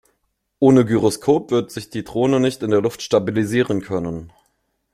Ohne Gyroskop wird die Drohne sich nicht in der Luft stabilisieren können.